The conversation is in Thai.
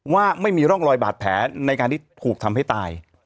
ว่าไม่มีร่องรอยบาดแผลในการที่ถูกทำให้ตาย